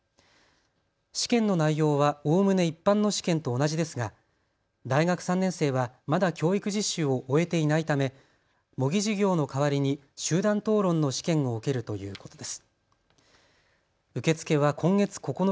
試験の内容はおおむね一般の試験と同じですが大学３年生はまだ教育実習を終えていないため模擬授業の代わりに集団討論の試験を受けるということです。